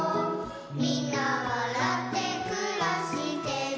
「みんなわらってくらしてる」